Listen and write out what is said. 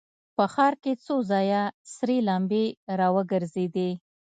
په ښار کې څو ځایه سرې لمبې را وګرځېدې.